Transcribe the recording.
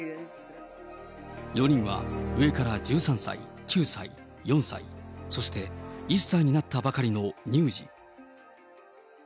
４人は上から１３歳、９歳、４歳、そして１歳になったばかりの乳児。